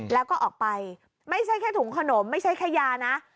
แล้วก็ออกไปไม่ใช่แค่ถุงขนมไม่ใช่แค่ยานะ